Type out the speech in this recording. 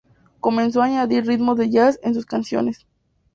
Comenzó a añadir ritmos de "jazz" en sus canciones.